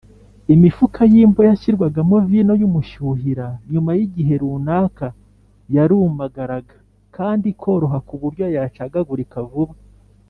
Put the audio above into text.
” imifuka y’impu yashyirwagamo vino y’umushyuhira, nyuma y’igihe runaka yarumagaraga kandi ikoroha ku buryo yacagagurika vuba